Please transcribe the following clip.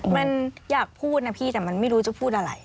มันอยากพูดนะพี่แต่มันไม่รู้จะพูดอะไร